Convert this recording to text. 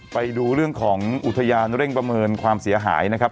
ไปดูเรื่องของอุทยานเร่งประเมินความเสียหายนะครับ